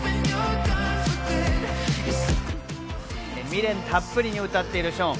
未練たっぷりに歌っているショーン。